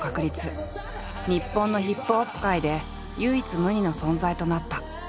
日本のＨＩＰＨＯＰ界で唯一無二の存在となった。